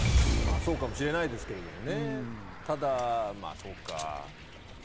そうかもしれないですけどね。